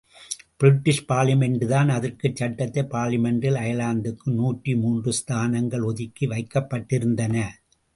British பார்லிமென்டுதான் அதற்கும் சட்டசபை பார்லிமென்டில் அயர்லாந்துக்கு நூற்றி மூன்று ஸ்தானங்கள் ஒதுக்கி வைக்கப்ட்டிருந்தன.